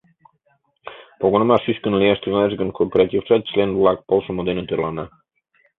Погынымаш чӱчкыдын лияш тӱҥалеш гын, кооператившат член-влак полшымо дене тӧрлана.